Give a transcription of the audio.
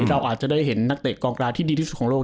เราอาจจะได้เห็นนักเตะกองกราที่ดีที่สุดของโลก